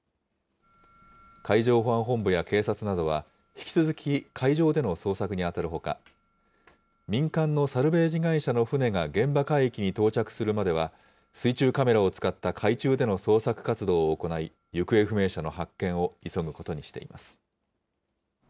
海上保安本部や警察などは、引き続き海上での捜索に当たるほか、民間のサルベージ会社の船が現場海域に到着するまでは、水中カメラを使った海中での捜索活動を行い、行方不明者の発見を急ぐことにしています。